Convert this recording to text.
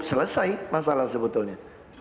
selesai masalah sebetulnya